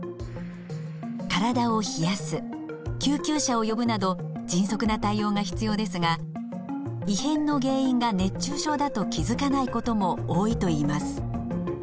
体を冷やす救急車を呼ぶなど迅速な対応が必要ですが異変の原因が熱中症だと気づかないことも多いといいます。